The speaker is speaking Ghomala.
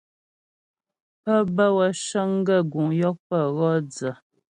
Pə́ bə́ wə́ cəŋ gaə́ guŋ yɔkpə wɔ dzə.